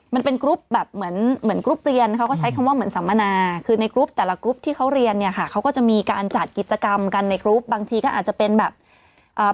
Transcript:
มันเป็นกรุ๊ปแบบเหมือนเหมือนกรุ๊ปเรียนเขาก็ใช้คำว่าเหมือนสัมมนาคือในกรุ๊ปแต่ละกรุ๊ปที่เขาเรียนเนี่ยค่ะเขาก็จะมีการจัดกิจกรรมกันในกรุ๊ปบางทีก็อาจจะเป็นแบบอ่า